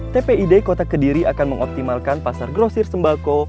tpid kota kediri akan mengoptimalkan pasar grosir sembako